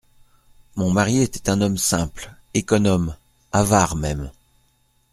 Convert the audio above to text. Mon mari était un homme simple… économe… avare même.